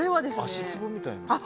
足つぼみたいな？